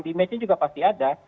dimensi juga pasti ada